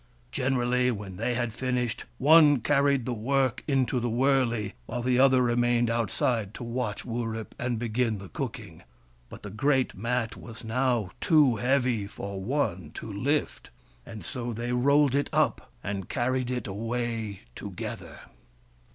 Generally, when they had finished, one carried the work into the wurley while the other remained outside to watch Wurip and begin the cooking. But the great mat was now too heavy for one to lift, and so they rolled it up, and carried it away together.